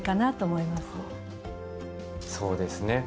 そうですね。